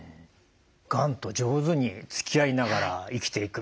がんと上手につきあいながら生きていく。